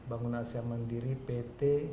bangun asia mandiri pt